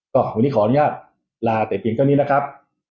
ก็วันนี้ขออนุญาตลาแต่เพียงเท่านี้นะครับ